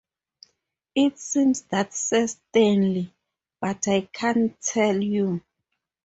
It seems that Sir Stanley - but I can't tell you!